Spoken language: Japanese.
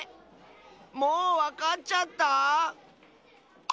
もうわかっちゃった？